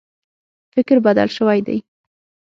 فکر بدل شوی دی.